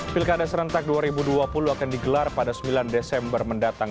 pilkada serentak dua ribu dua puluh akan digelar pada sembilan desember mendatang